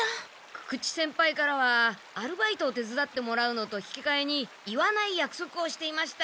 久々知先輩からはアルバイトを手つだってもらうのと引きかえに言わないやくそくをしていました。